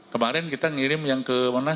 kemarin kita ngirim yang ke wonang